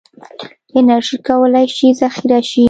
انرژي کولی شي ذخیره شي.